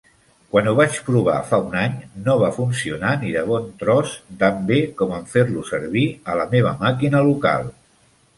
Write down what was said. Quan ho vaig provar fa un any, no va funcionar ni de bon tros tan bé com en fer-lo servir a la meva màquina local.